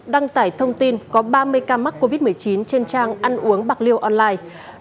đăng tải thông tin có ba mươi ca mắc covid một mươi chín trên trang ăn uống bạc liêu online